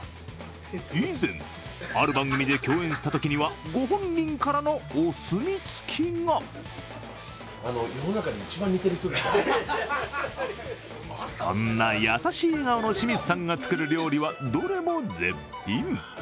以前、ある番組で共演したときにはご本人からのお墨付きがそんな優しい笑顔の清水さんが作る料理は、どれも絶品。